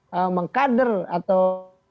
jadi mengkader atau